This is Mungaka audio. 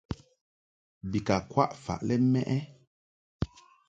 Bi ka kwaʼ faʼ lɛ mɛʼ ɛ ?